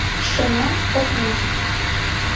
Шыҥа — окнашке.